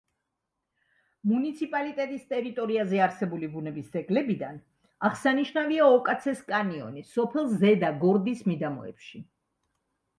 მუნიციპალიტეტის ტერიტორიაზე არსებული ბუნების ძეგლებიდან აღსანიშნავია ოკაცეს კანიონი სოფელ ზედა გორდის მიდამოებში.